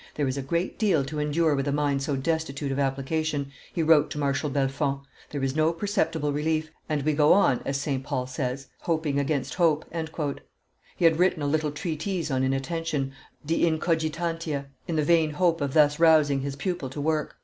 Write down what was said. "There is a great deal to endure with a mind so destitute of application," he wrote to Marshal Bellefonds; "there is no perceptible relief, and we go on, as St. Paul says, hoping against hope." He had written a little treatise on inattention, De Incogitantia, in the vain hope of thus rousing his pupil to work.